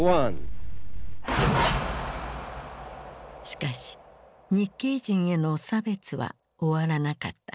しかし日系人への差別は終わらなかった。